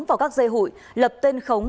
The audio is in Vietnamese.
vào các dây hụi lập tên khống